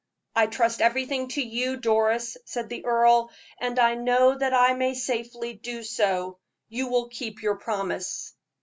"I trust everything to you, Doris," said the earl, "and I know that I may safely do so; you will keep your promise."